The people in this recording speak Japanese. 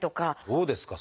どうですか？